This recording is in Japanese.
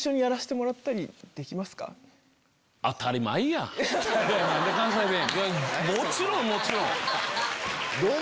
もちろんもちろん。